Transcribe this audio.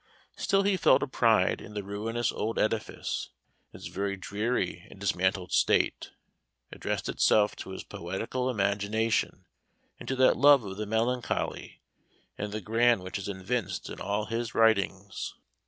Still he felt a pride in the ruinous old edifice; its very dreary and dismantled state, addressed itself to his poetical imagination, and to that love of the melancholy and the grand which is evinced in all his writings.